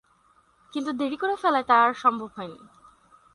কিন্তু দেরী করে ফেলায় তা আর সম্ভব হয়নি।